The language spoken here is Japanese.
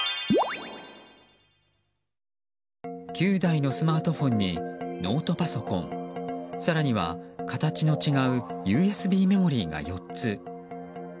９台のスマートフォンにノートパソコン更には形の違うＵＳＢメモリーが４つ。